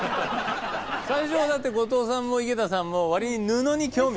最初はだって後藤さんも井桁さんも割に布に興味。